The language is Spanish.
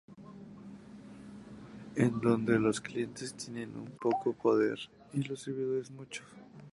En donde los clientes tienen poco poder y los servidores, mucho.